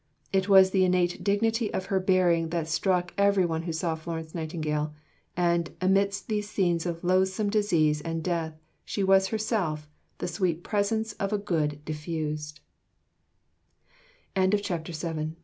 It was the innate dignity of her bearing that struck every one who saw Florence Nightingale; and, amidst those scenes of loathsome disease and death, she was herself "the sweet presence of a good diffus